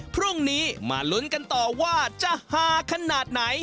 พรุ่งนี้มาลุ้นกันต่อว่าจะฮาขนาดไหน